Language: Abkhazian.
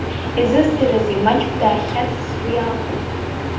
Изызӡарызеи, маҷк дахьхьаҵыз сгәы иахәеит.